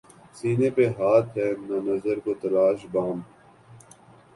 سینے پہ ہاتھ ہے نہ نظر کو تلاش بام